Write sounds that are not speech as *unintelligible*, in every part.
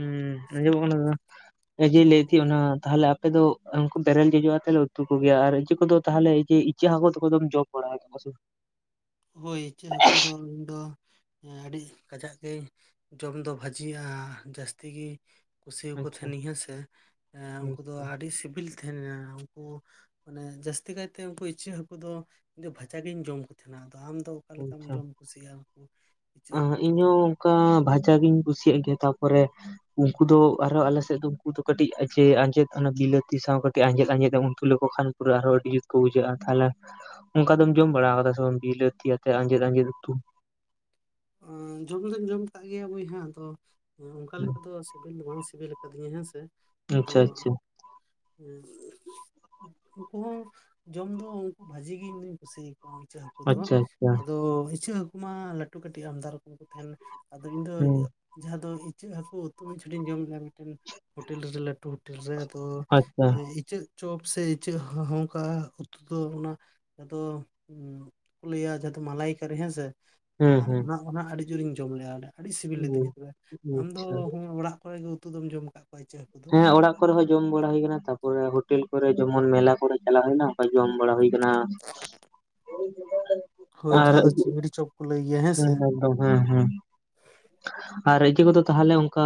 ᱩᱸ ᱟᱸᱡᱚᱢᱚᱜ ᱠᱟᱱᱟ ᱥᱮ ᱵᱟᱝ? ᱞᱟᱹᱭᱮᱜ ᱛᱷᱤᱡ ᱚᱱᱟ ᱛᱟᱦᱞᱮ ᱟ ᱯᱮ ᱫᱚ ᱩᱱᱠᱩ ᱵᱮᱨᱮᱞ ᱡᱚᱡᱚ ᱟᱛᱮ ᱞᱮ ᱩᱛᱩ ᱠᱚᱜᱮᱭᱟ ᱟᱨ ᱤᱡᱟᱹ ᱠᱚᱫᱚ ᱛᱟᱦᱚᱞᱮ ᱤᱪᱟᱹᱜ ᱦᱟᱹᱠᱩ ᱫᱚ ᱠᱚᱫᱚᱢ ᱡᱚᱢ ᱵᱟᱲᱟᱭ *unintelligible* ᱦᱳᱭ ᱤᱪᱟᱹᱜ ᱦᱟᱹᱠᱩ ᱫᱚ ᱤᱧ ᱫᱚ ᱟᱹᱰᱤᱜ ᱠᱟᱡᱟᱜ ᱜᱮ ᱡᱚᱢ ᱫᱚ ᱵᱷᱟᱹᱡᱤᱼᱟ ᱡᱟᱹᱥᱛᱤ ᱜᱤ ᱠᱩᱥᱤᱭᱟᱠᱚ ᱟᱪᱪᱷᱟ ᱛᱟᱦᱮᱱᱤᱧ ᱦᱮᱸᱥᱮ, ᱩᱱᱠᱩ ᱫᱚ ᱟᱰᱤ ᱥᱤᱵᱤᱞ ᱛᱷᱟᱦᱮᱸᱱᱟ ᱩᱱᱠᱩ ᱢᱟᱱᱮ ᱡᱟᱹᱥᱛᱤ ᱠᱟᱭᱛᱮ ᱩᱱᱠᱩ ᱤᱪᱟᱹᱜ ᱦᱟᱹᱠᱩ ᱫᱚ ᱤᱧ ᱫᱚ ᱵᱷᱟᱡᱟ ᱜᱤᱧ ᱡᱚᱢ ᱠᱚ ᱛᱟᱦᱮᱸᱱᱟ᱾ ᱱᱟ ᱟᱫᱚ ᱟᱢᱫᱚ ᱚᱠᱟ ᱞᱮᱠᱟᱢ ᱡᱚᱢ ᱠᱩᱥᱤᱭᱟᱜᱼᱟ ᱩᱱᱠᱩ? ᱤᱪᱟᱹᱜ ᱦᱟᱹᱠᱩ ᱠᱚᱫᱚ ᱤᱧᱦᱚᱸ ᱚᱝᱠᱟ ᱵᱷᱟᱡᱟ ᱜᱤᱧ ᱠᱩᱥᱤᱭᱟᱜ ᱜᱮᱭᱟ, ᱛᱟᱯᱚᱨᱮ ᱩᱱᱠᱩ ᱫᱚ ᱟᱨᱦᱚ ᱟᱞᱮ ᱥᱮᱫ ᱫᱚ ᱩᱱᱠᱩ ᱫᱚ ᱠᱟᱹᱴᱤᱡ ᱟᱡᱮ ᱟᱸᱡᱮᱫ ᱚᱱᱟ ᱵᱤᱞᱟᱹᱛᱤ ᱥᱟᱶ ᱠᱟᱹᱴᱤᱡ ᱟᱸᱡᱮᱫ ᱟᱸᱡᱮᱫ ᱮᱢ ᱩᱛᱩ ᱞᱮᱠᱚ ᱠᱷᱟᱱ ᱯᱩᱨᱟᱹ ᱟᱨᱦᱚᱸ ᱟᱹᱰᱤ ᱡᱩᱛ ᱠᱚ ᱵᱩᱡᱷᱟᱹᱜᱼᱟ᱾ ᱛᱷᱟᱞᱮ ᱚᱝᱠᱟ ᱫᱚᱢ ᱡᱚᱢ ᱵᱟᱲᱟᱣᱼᱟᱫᱟ ᱥᱮ ᱵᱟᱝ ᱵᱤᱞᱟᱹᱛᱤ ᱟᱛᱮ ᱟᱸᱡᱮᱫ ᱟᱸᱡᱮᱫ ᱩᱛᱩ? ᱟ ᱡᱚᱢ ᱫᱩᱧ ᱡᱚᱢ ᱠᱟᱜ ᱜᱮᱭᱟ ᱵᱚᱭᱦᱟ ᱟᱫᱚ ᱚᱱᱠᱟ ᱞᱮᱠᱟ ᱫᱚ ᱥᱤᱵᱤᱞ ᱫᱚ ᱵᱟᱝ ᱥᱤᱵᱤᱞ ᱟᱠᱟᱫᱤᱧᱟᱹ ᱦᱮᱸ ᱥᱮ ᱟᱫᱚ, ᱟᱪᱪᱷᱟ ᱟᱪᱪᱷᱟ ᱮᱸᱜ ᱩᱱᱠᱩ ᱦᱚᱸ ᱡᱚᱢ ᱫᱚ ᱩᱱᱠᱩ ᱵᱷᱟᱹᱡᱤ ᱜᱮ ᱤᱧ ᱫᱩᱧ ᱠᱩᱥᱤᱭᱟᱠᱚ ᱤᱪᱟᱹᱜ ᱦᱟᱹᱠᱩ ᱫᱚ ᱟᱪᱪᱷᱟ ᱟᱪᱪᱷᱟ ᱟᱫᱚ ᱤᱪᱟᱹᱜ ᱦᱟᱹᱠᱩ ᱢᱟ ᱞᱟᱹᱴᱩ ᱠᱟᱹᱴᱤᱡ ᱟᱢᱫᱟ ᱨᱚᱠᱚᱢ ᱠᱚ ᱛᱟᱸᱦᱮᱱᱟ᱾ ᱟᱫᱚ ᱤᱧ ᱫᱚ ᱦᱩᱸ ᱡᱟᱦᱟᱸ ᱫᱚ ᱤᱪᱟᱹᱜ ᱦᱟᱹᱠᱩ ᱩᱛᱩ ᱢᱤᱜᱪᱷᱚᱴᱤᱧ ᱡᱚᱢᱞᱮᱫᱼᱟ ᱢᱤᱫᱴᱮᱱ ᱦᱳᱴᱮᱞ ᱨᱮ ᱞᱟᱹᱴᱩ ᱦᱳᱴᱮᱞ ᱨᱮ ᱟᱫᱚ ᱟᱪᱪᱷᱟ ᱤᱪᱟᱹᱜ ᱪᱚᱯ ᱥᱮ ᱤᱪᱟᱹᱜ ᱦᱚᱦᱚᱝᱠᱟ ᱩᱛᱩ ᱫᱚ ᱚᱱᱟ ᱟᱫᱚ ᱩᱸ ᱠᱚ ᱞᱟᱹᱭᱟ ᱡᱟ ᱫᱚ ᱢᱟᱞᱟᱭᱠᱟᱨᱤ ᱦᱮᱸᱥᱮ, ᱦᱩᱸ ᱦᱟ ᱦᱩᱸ ᱚᱱᱟ ᱚᱱᱟ ᱟᱹᱰᱤ ᱡᱳᱨᱤᱧ ᱡᱚᱢ ᱞᱮᱜᱼᱟ ᱟᱹᱰᱤ ᱥᱤᱵᱤᱞ ᱞᱤᱫᱤᱧᱟ᱾ ᱛᱚᱵᱮ ᱟᱢ ᱫᱚ ᱟᱪᱪᱷᱟ ᱚᱲᱟᱜ ᱠᱚᱨᱮ ᱜᱮ ᱩᱛᱩ ᱫᱚᱢ ᱡᱚᱢ ᱠᱟᱜ ᱠᱚᱣᱟ ᱤᱪᱟᱹᱜ? ᱫᱚ ᱦᱮᱸ ᱚᱲᱟᱜ ᱠᱚᱨᱮ ᱦᱚᱸ ᱡᱚᱢ ᱵᱟᱲᱟ ᱦᱩᱭᱟᱱᱟ ᱛᱟᱯᱚᱨᱮ ᱦᱳᱴᱮᱞ ᱠᱚᱨᱮᱜ ᱡᱮᱢᱚᱱ ᱢᱮᱞᱟ ᱠᱚᱨᱮ ᱪᱟᱞᱟ ᱦᱩᱭᱱᱟ ᱚᱝᱠᱟ ᱡᱚᱢ ᱵᱟᱲᱟ ᱦᱩᱭ ᱠᱟᱱᱟ᱾ ᱦᱳᱭ ᱟᱨ ᱡᱟᱦᱟᱸ ᱫᱚ ᱪᱤᱝᱲᱤ ᱪᱚᱯ ᱠᱚ ᱞᱟᱹᱭ ᱜᱮᱭᱟ ᱦᱮᱸ᱾ ᱥᱮ ᱦᱮᱸ ᱮᱠᱫᱚᱢ ᱦᱮᱸ ᱦᱮᱸ ᱟᱨ ᱤᱡᱟᱹ ᱠᱚᱫᱚ ᱛᱟᱦᱚᱞᱮ ᱚᱱᱠᱟ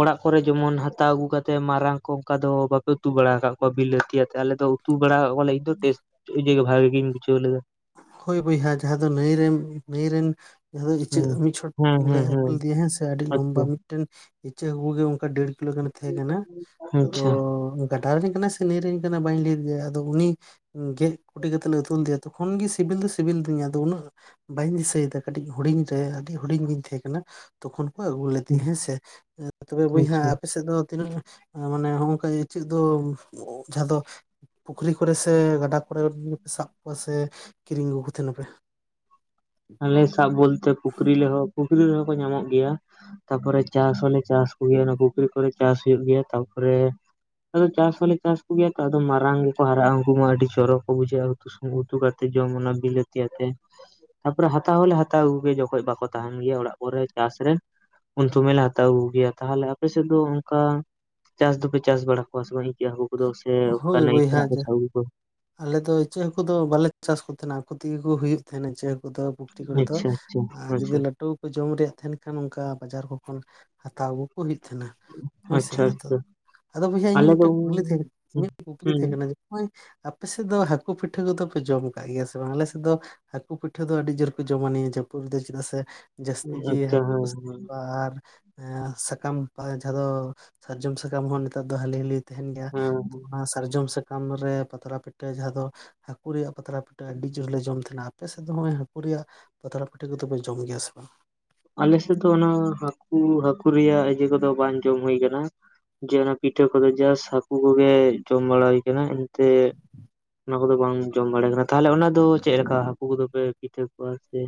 ᱚᱲᱟᱜ ᱠᱚᱨᱮ ᱡᱮᱢᱚᱱ ᱦᱟᱛᱟᱣ ᱟᱹᱜᱩ ᱠᱟᱛᱮ ᱢᱟᱨᱟᱝ ᱠᱚ ᱚᱱᱠᱟ ᱫᱚ ᱵᱟᱯᱮ ᱩᱛᱩ ᱵᱟᱲᱟ ᱟᱠᱟᱫ ᱠᱚᱣᱟ ᱵᱤᱞᱟᱹᱛᱤ ᱟᱛᱮ ᱟᱞᱮ ᱫᱚ ᱩᱛᱩ ᱵᱮᱲᱟᱣᱼᱚᱜ ᱠᱚᱞᱮ ᱤᱧᱫᱚ ᱴᱮᱥᱴ ᱤᱡᱟᱹ ᱜᱟ ᱵᱷᱟᱜᱮ ᱜᱤᱧ ᱵᱩᱡᱷᱟᱹᱣ ᱞᱮᱫᱟ᱾ ᱠᱷᱳᱭ ᱵᱚᱭᱦᱟ ᱡᱟᱦᱟᱸ ᱫᱚ ᱱᱟᱹᱭᱨᱮᱢ ᱱᱟᱹᱭ ᱨᱮᱱ ᱡᱟᱦᱟᱸ ᱫᱚ ᱤᱪᱟᱹᱜ ᱦᱮᱸ ᱢᱤᱫ ᱪᱷᱚᱴ ᱦᱮᱸ ᱞᱮ ᱦᱮᱸ ᱟᱠᱤᱞ ᱞᱮᱫᱮᱭᱟ ᱦᱮᱸ ᱥᱮ ᱟᱹᱰᱤ ᱞᱚᱢᱵᱟ ᱟᱪᱪᱷᱟ ᱢᱤᱫᱴᱮᱱ ᱤᱪᱟᱹᱜ ᱦᱟᱹᱜᱩ ᱜᱮ ᱚᱱᱠᱟ ᱰᱮᱲ *unintelligible* ᱛᱟᱦᱮᱸ ᱠᱟᱱᱟ ᱟᱫᱚ ᱟᱪᱪᱷᱟ ᱜᱟᱰᱟ ᱨᱮᱱᱤᱡ ᱠᱟᱱᱟᱭ ᱥᱮ ᱱᱟᱹᱭ ᱨᱮᱱᱤᱡ ᱠᱟᱱᱟᱭ ᱵᱟᱹᱧ ᱞᱟᱹᱭᱮᱫ ᱜᱮᱭᱟ *unintelligible* ᱟᱫᱚ ᱩᱱᱤ ᱜᱮᱫ ᱠᱩᱴᱤ ᱠᱟᱛᱮᱫ ᱞᱮ ᱩᱛᱩ ᱞᱮᱫᱮᱭᱟ᱾ ᱛᱚᱠᱷᱚᱱ ᱜᱮ ᱥᱤ ᱥᱤᱵᱤᱞ ᱫᱚ ᱥᱤᱵᱤᱞ ᱫᱤᱧᱟ ᱟᱫᱚ ᱩᱱᱟᱹᱜ ᱵᱟᱹᱧ ᱫᱤᱥᱟᱹᱭᱫᱟ ᱠᱟᱹᱴᱤᱡ ᱦᱩᱰᱤᱧ ᱨᱮ ᱟᱹᱰᱤ ᱦᱩᱰᱤᱧ ᱜᱤᱧ ᱛᱟᱦᱮᱸ ᱠᱟᱱᱟ᱾ ᱛᱚᱠᱷᱚᱱ ᱠᱚ ᱟᱹᱜᱩ ᱞᱮᱫᱤ ᱦᱮᱸᱥᱮ ᱛᱚᱵᱮ ᱵᱚᱭᱦᱟ ᱟᱪᱪᱷᱟ ᱟᱯᱮᱥᱮᱫ ᱫᱚ ᱛᱤᱱᱟᱹᱜ ᱢᱟᱱᱮ ᱦᱚᱸᱜᱚᱝᱠᱟ ᱤᱪᱟᱹᱜ ᱫᱚ ᱡᱟᱦᱟᱸ ᱫᱚ ᱯᱩᱠᱷᱨᱤ ᱠᱚᱨᱮ ᱥᱮ ᱜᱟᱰᱟ ᱠᱚᱨᱮ ᱥᱟᱵ ᱠᱚᱣᱟ ᱥᱮ ᱠᱤᱨᱤᱧ ᱜᱩ ᱠᱚ ᱛᱷᱮᱱᱟᱯᱮ? ᱟᱞᱮ ᱥᱟᱵ ᱵᱚᱞᱛᱮ ᱯᱩᱠᱷᱨᱤ ᱞᱮᱦᱚᱸ ᱯᱩᱠᱷᱨᱤ ᱨᱮᱦᱚᱸ ᱠᱚ ᱧᱟᱢᱚᱜ ᱜᱮᱭᱟ᱾ ᱛᱟᱯᱚᱨᱮ ᱪᱟᱥ ᱦᱚᱸᱞᱮ ᱪᱟᱥ ᱠᱚᱜᱮᱭᱟ ᱚᱱᱟ ᱯᱩᱠᱷᱨᱤ ᱠᱚᱨᱮ ᱪᱟᱥ ᱦᱩᱭᱩᱜ ᱜᱮᱭᱟ ᱛᱟᱯᱚᱨᱮ ᱟᱫᱚ ᱪᱟᱥ ᱦᱚᱸᱞᱮ ᱪᱟᱥ ᱠᱚᱜᱮᱭᱟ ᱛᱚ ᱟᱫᱚ ᱢᱟᱨᱟᱝ ᱜᱮᱠᱚ ᱦᱟᱨᱟᱜᱼᱟ ᱩᱱᱠᱩ ᱢᱟ ᱟᱹᱰᱤ ᱪᱚᱨᱚᱠ ᱠᱚ ᱵᱩᱡᱷᱟᱹᱜᱼᱟ ᱩᱛᱩ᱾ ᱩᱛᱩ ᱠᱟ ᱠᱟᱛᱮ ᱡᱚᱢ ᱚᱱᱟ ᱵᱤᱞᱟᱹᱛᱤ ᱟᱛᱮ᱾ ᱛᱟᱯᱚᱨᱮ ᱦᱟᱛᱟᱣ ᱦᱚᱞᱮ ᱦᱟᱛᱟᱣ ᱟᱹᱜᱩ ᱜᱮ ᱡᱚᱠᱷᱚᱡ ᱵᱟᱠᱚ ᱛᱟᱦᱮᱱ ᱜᱮᱭᱟ ᱚᱲᱟᱜ ᱠᱚᱨᱮ ᱪᱟᱥ ᱨᱮ ᱩᱱ ᱥᱚᱢᱚᱭ ᱞᱮ ᱦᱟᱛᱟᱣ ᱟᱹᱜᱩ ᱜᱮᱭᱟ ᱛᱟᱦᱚᱞᱮ ᱟᱯᱮ ᱥᱮᱫ ᱫᱚ ᱚᱱᱠᱟ ᱪᱟᱥ ᱫᱚᱯᱮ ᱪᱟᱥ ᱵᱟᱲᱟ ᱠᱚᱣᱟ ᱥᱮ ᱢᱟ ᱤᱪᱟᱹᱜ ᱦᱟᱠᱩ ᱠᱚᱫᱚ ᱥᱮ ᱚᱠᱟ ᱦᱳᱭ ᱱᱟᱹᱭ ᱵᱚᱭᱦᱟ ᱠᱷᱚᱱᱟᱜ ᱠᱚ ᱡᱟ ᱥᱟᱵ ᱟᱹᱜᱩ ᱠᱚ? ᱟᱞᱮ ᱫᱚ ᱤᱪᱟᱹᱜ ᱦᱟᱹᱠᱩ ᱫᱚ ᱵᱟᱞᱮ ᱪᱟᱥ ᱠᱚ ᱛᱷᱮᱸᱱᱟ ᱟᱠᱚ ᱛᱮᱜᱮ ᱠᱚ ᱦᱩᱭᱩᱜ ᱛᱟᱦᱮᱸᱫᱱᱟ ᱤᱪᱟᱹᱜ ᱦᱟᱹᱠᱩ᱾ ᱫᱚ ᱯᱩᱠᱷᱨᱤ ᱠᱚᱨᱮ ᱫᱚ ᱟᱪᱪᱷᱟ ᱟᱪᱪᱷᱟ ᱟᱨ ᱡᱩᱫᱤ ᱟᱪᱪᱷᱟ ᱞᱟᱹᱴᱩ ᱡᱚᱢ ᱨᱮᱭᱟᱜ ᱛᱟᱦᱮᱱ ᱠᱷᱟᱱ ᱚᱱᱠᱟ ᱵᱟᱡᱟᱨ ᱠᱚ ᱠᱷᱚᱱ ᱦᱟᱛᱟᱣ ᱟᱹᱜᱩ ᱠᱚ ᱦᱩᱭᱩᱜ ᱛᱟᱦᱮᱱᱟ᱾ ᱦᱳᱭᱥᱮ ᱟᱪᱪᱷᱟ ᱟᱫᱚ ᱟᱪᱪᱷᱟ ᱟᱫᱚ ᱵᱚᱭᱦᱟ ᱤᱧᱟᱹᱜ ᱟᱞᱮ ᱫᱚ ᱢᱤᱫᱴᱮᱱ ᱠᱩᱠᱞᱤ ᱦᱩᱸ ᱛᱟᱦᱮᱸ ᱠᱟᱱ ᱛᱤᱧᱟ ᱤᱧᱟᱹᱜ ᱠᱩᱠᱞᱤ ᱛᱟᱦᱮᱸ ᱠᱟᱱᱟ ᱡᱚᱠᱷᱚᱱ ᱟᱯᱮ ᱥᱮᱫ ᱫᱚ ᱦᱟᱹᱠᱩ ᱯᱤᱴᱷᱟᱹ ᱠᱚᱫᱚ ᱯᱮ ᱡᱚᱢ ᱟᱠᱟᱫ ᱜᱮᱭᱟ ᱥᱮ ᱵᱟᱝ ᱟᱞᱮ ᱥᱮᱫ ᱫᱚ ᱦᱟᱹᱠᱩ ᱯᱤᱴᱷᱟᱹ ᱫᱚ ᱟᱹᱰᱤ ᱡᱳᱨ ᱠᱚ ᱡᱚᱢ ᱱᱤᱭᱟ ᱡᱟᱹᱯᱩᱫ ᱨᱮ ᱫᱚ ᱪᱮᱫᱟᱜ ᱥᱮ, ᱡᱟᱹᱥᱛᱤ ᱜᱮ ᱟᱪᱪᱷᱟ ᱦᱟᱹᱠᱩ ᱦᱮᱸ ᱠᱚ ᱦᱮᱸ ᱥᱟᱣᱟ *unintelligible* ᱟᱨ ᱥᱟᱠᱟᱢ ᱡᱟᱦᱟᱸ ᱫᱚ ᱥᱟᱨᱡᱚᱢ ᱥᱟᱠᱟᱢ ᱦᱚᱸ ᱱᱮᱛᱟᱨ ᱫᱚ ᱦᱟᱹᱞᱤ ᱦᱟᱹᱞᱤ ᱛᱟᱦᱮᱱ ᱜᱮᱭᱟ ᱦᱮᱸ ᱚᱱᱟ ᱥᱟᱨᱡᱚᱢ ᱥᱟᱠᱟᱢ ᱨᱮ ᱯᱟᱛᱲᱟ ᱯᱤᱴᱷᱟᱹ ᱡᱟᱦᱟᱸ ᱫᱚ ᱩᱱᱠᱩ ᱨᱮᱭᱟᱜ ᱯᱟᱛᱲᱟ ᱯᱤᱴᱷᱟᱹ ᱟᱹᱰᱤ ᱡᱳᱨ ᱞᱮ ᱡᱚᱢ ᱛᱟᱦᱮᱱᱟ, ᱟᱯᱮ ᱥᱮᱫ ᱫᱚ ᱱᱚᱜᱚᱭ ᱦᱟᱹᱠᱩ ᱨᱮᱭᱟᱜ ᱯᱟᱛᱲᱟ ᱯᱤᱴᱟᱹ ᱠᱚᱫᱚ ᱯᱮ ᱡᱚᱢ ᱜᱮᱭᱟ ᱥᱮ ᱵᱟᱝ? ᱟᱞᱮᱥᱮᱫ ᱫᱚ ᱚᱱᱟ ᱦᱟᱹᱠᱩ ᱦᱟᱹᱠᱩ ᱨᱮᱭᱟᱜ ᱤᱭᱟᱹ ᱠᱚᱫᱚ ᱵᱟᱝ ᱡᱚᱢ ᱦᱩᱭ ᱟᱠᱟᱱᱟ, ᱡᱮ ᱚᱱᱟ ᱯᱤᱴᱷᱟᱹ ᱠᱚᱫᱚ ᱡᱟᱥ ᱦᱟᱹᱠᱩ ᱠᱚᱜᱮ ᱡᱚᱢ ᱵᱟᱲᱟᱭ ᱦᱩᱭ ᱠᱟᱱᱟ ᱮᱱᱛᱮ, ᱚᱱᱟ ᱠᱚᱫᱚ ᱵᱟᱝ ᱡᱚᱢ ᱵᱟᱲᱮ ᱠᱟᱱᱟ ᱛᱟᱦᱚᱞᱮ ᱚᱱᱟ ᱫᱚ ᱪᱮᱫ ᱞᱮᱠᱟ ᱦᱟᱹᱠᱩ ᱠᱚᱫᱚ ᱯᱮ ᱯᱤᱴᱷᱟᱹ ᱠᱚᱣᱟ ᱥᱮ